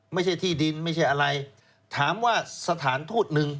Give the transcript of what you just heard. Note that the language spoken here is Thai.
ไม่ใช่ที่ดินไม่ใช่อะไรถามว่าสถานทูตหนึ่ง